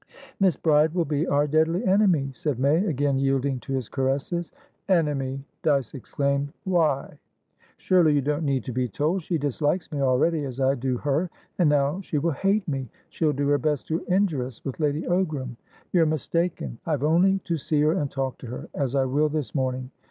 "Miss Bride will be our deadly enemy," said May, again yielding to his caresses. "Enemy!" Dyce exclaimed. "Why?" "Surely you don't need to be told. She dislikes me already (as I do her), and now she will hate me. She'll do her best to injure us with Lady Ogram." "You're mistaken. I have only to see her and talk to heras I will, this morning.